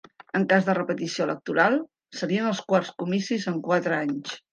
En cas de repetició electoral, serien els quarts comicis en quatre anys.